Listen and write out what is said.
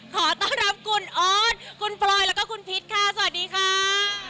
ขอต้อนรับคุณออสคุณปลอยแล้วก็คุณพิษค่ะสวัสดีค่ะ